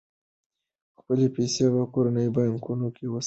خپلې پيسې په کورنیو بانکونو کې وساتئ.